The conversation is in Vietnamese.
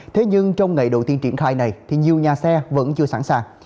thế nhưng trong ngày đầu tiên triển khai này thì nhiều nhà xe vẫn chưa sẵn sàng